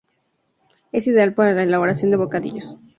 Es ideal para la elaboración de bocadillos.